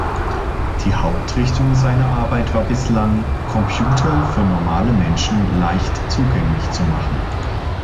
Die Hauptrichtung seiner Arbeit war bislang, Computer für normale Menschen leicht zugänglich zu machen.